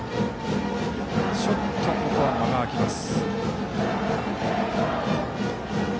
ちょっと、ここは間が空きます。